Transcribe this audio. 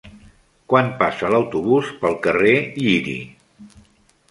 Quan passa l'autobús pel carrer Lliri?